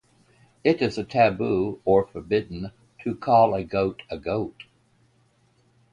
It is taboo or forbidden to call a goat a goat.